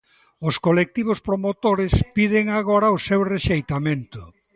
Os colectivos promotores piden agora o seu rexeitamento.